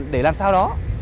để làm sao đó